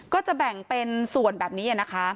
ก็จะแบ่งเป็นส่วนแบบนี้นะคะ